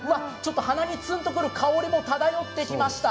鼻にツンとくる香りが漂ってきました。